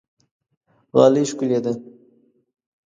غالۍ ښکلې ده.